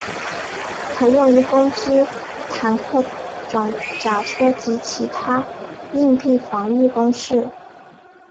可用于攻击坦克装甲车辆及其它硬壁防御工事。